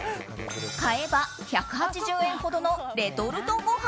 買えば１８０円ほどのレトルトご飯。